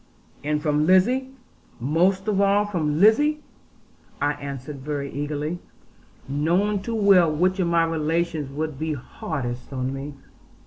'And from Lizzie; most of all, from Lizzie,' I answered very eagerly, knowing too well which of my relations would be hardest with me.